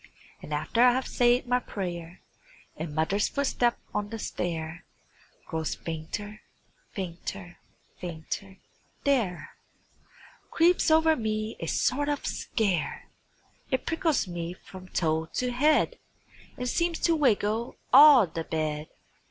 And after I have said my prayer And mother's footstep on the stair Grows fainter, fainter, fainter, there Creeps over me a sort of scare; It prickles me from toe to head And seems to wiggle all the bed.